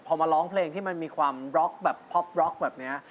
พอมาร้องเพลงที่มันมีความป๊อปแบบนี้